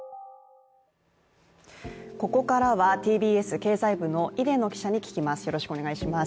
ここからはＴＢＳ経済部の出野記者に聞きます。